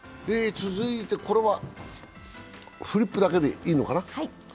続いてこれはフリップだけでいいのかな。